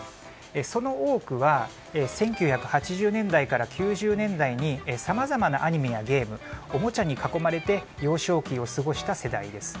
その多くは１９８０年代から９０年代にさまざまなアニメやゲームおもちゃに囲まれて幼少期を過ごした世代です。